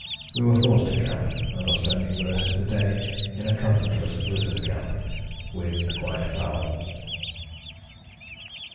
We were forced to camp and are spending the rest of the day in a comfortless blizzard camp, wind quite foul."